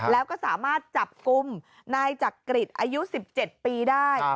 แล้วก็สามารถจับกลุ่มนายจักริตอายุ๑๗ปีได้